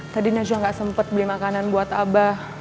tadi najwa gak sempet beli makanan buat abah